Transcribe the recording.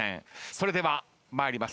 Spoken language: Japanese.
それでは参ります。